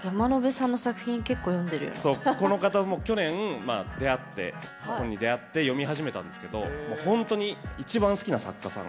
この方去年出会って本に出会って読み始めたんですけどもうほんとに一番好きな作家さん。